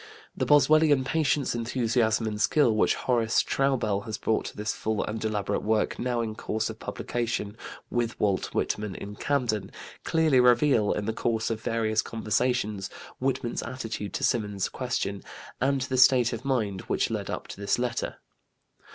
The Boswellian patience, enthusiasm, and skill which Horace Traubel has brought to his full and elaborate work, now in course of publication, With Walt Whitman in Camden, clearly reveal, in the course of various conversations, Whitman's attitude to Symonds's question and the state of mind which led up to this letter.